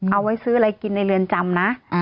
เอาไว้ซื้ออะไรกินในเรือนจำนะ